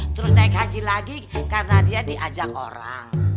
terus naik haji lagi karena dia diajak orang